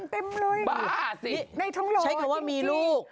บ้าสิใช้คำว่ามีลูก